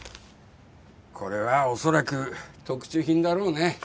これは恐らく特注品だろうね。